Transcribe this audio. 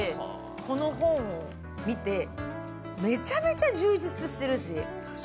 この本を見てめちゃめちゃ充実してるし。